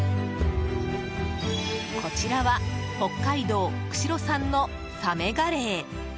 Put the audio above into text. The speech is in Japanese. こちらは北海道釧路産のサメガレイ。